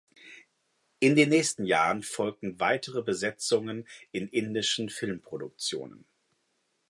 In den nächsten Jahren folgten weitere Besetzungen in indischen Filmproduktionen.